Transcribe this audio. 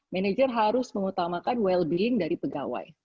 manajer harus mengutamakan well billing dari pegawai